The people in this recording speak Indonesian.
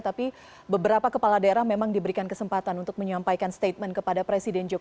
tapi beberapa kepala daerah memang diberikan kesempatan untuk menyampaikan statement kepada presiden jokowi